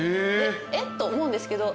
えっ？と思うんですけど